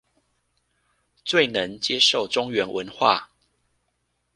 最能接受中原文化